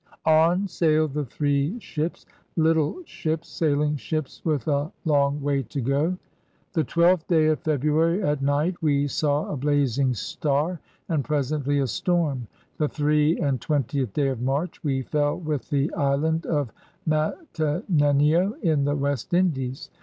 On sailed the three i^ps — litQe ships — sailing ships with a long way to go. THE ADVENTURERS «1 The twelfth day of February at night we saw a blaz ing starreand presently a storme. ... The three and twentieth day [of March] we fell with the Hand of Mattanenio in the West Indies.